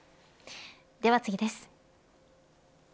では次です。